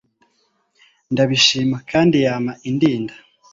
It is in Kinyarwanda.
ndabishima kandi yama indinda